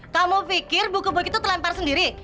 kamu pikir buku buku itu terlempar sendiri